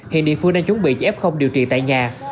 hiện địa phương đang chuẩn bị cho f điều trị tại nhà